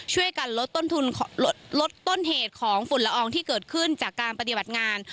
ช่วยกันลดต้นทุนลดต้นเหตุของฝุ่นละอองที่เกิดขึ้นจากการปฏิบัติงาน